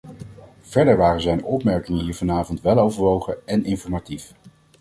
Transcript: Verder waren zijn opmerkingen hier vanavond weloverwogen en informatief.